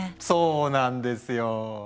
そうなんですよ。